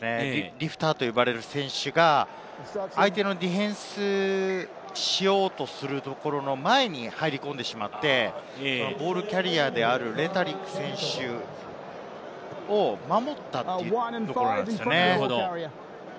リフターと呼ばれる選手が相手のディフェンスしようとするところの前に入り込んでしまって、ボールキャリアーであるレタリック選手を守ったというところなんですよね。